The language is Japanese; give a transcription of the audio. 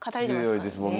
強いですもんね。